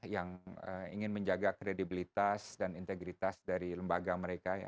yang ingin menjaga kredibilitas dan integritas dari lembaga mereka